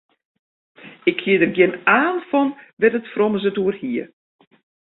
Ik hie der gjin aan fan wêr't it frommes it oer hie.